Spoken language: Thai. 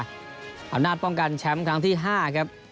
อำนาจป้องกันแชมป์ครั้งที่๕ครับ